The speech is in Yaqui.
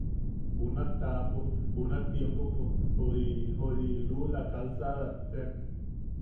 Junak taʼapo junak tiempopo ori Jori lula calsadat teak.